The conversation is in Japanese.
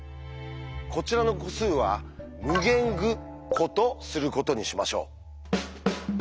こちらの個数は「∞ぐ」個とすることにしましょう。